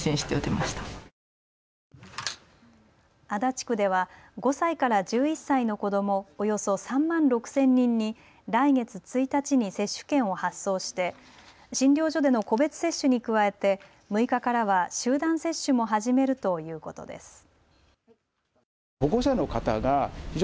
足立区では５歳から１１歳の子どもおよそ３万６０００人に来月１日に接種券を発送して診療所での個別接種に加えて６日からは集団接種も始めるということです。